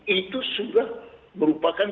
itu sudah merupakan